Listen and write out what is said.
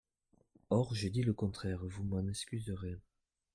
Or j’ai dit le contraire, vous m’en excuserez.